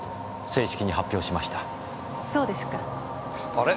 あれ？